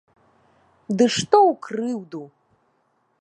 Ды што ў крыўду!